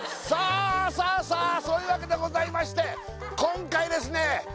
さあそういうわけでございまして今回ですね